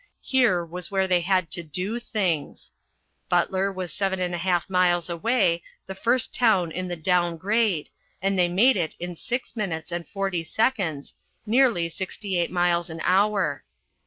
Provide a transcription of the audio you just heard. Here was where they had to do things. Butler was 7½ miles away, the first town in the down grade, and they made it in 6 minutes and 40 seconds, nearly 68 miles an hour.